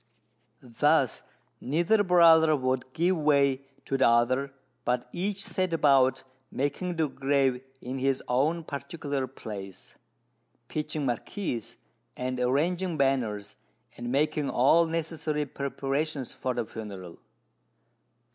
Thus, neither brother would give way to the other, but each set about making the grave in his own particular place, pitching marquees, and arranging banners, and making all necessary preparations for the funeral.